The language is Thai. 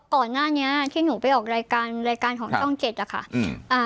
ก่อนหน้านี้ที่หนูไปออกรายการของช่องเจ็ดอะค่ะ